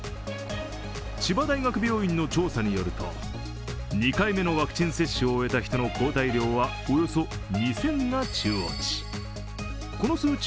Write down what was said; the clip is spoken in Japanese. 千葉大学病院の調査によると２回目のワクチン接種を終えた人の抗体量はおよそ２０００が中央値。